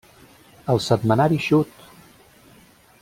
El setmanari Xut!